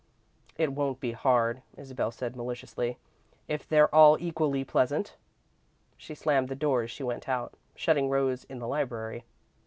"It won't be hard," Isabel said, maliciously, "if they're all equally pleasant." She slammed the door as she went out, shutting Rose in the library.